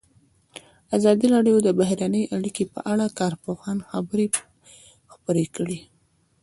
ازادي راډیو د بهرنۍ اړیکې په اړه د کارپوهانو خبرې خپرې کړي.